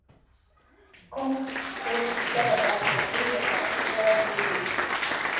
کوم څوک چي لږ مالګه خوري، د هغه فشار جوړ وي.